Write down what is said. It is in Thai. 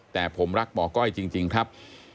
แต่ผมรักหมอก้อยจริงครับ